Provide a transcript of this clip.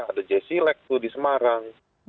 ada jesse lek tuh di semarang